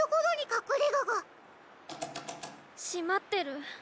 しまってる。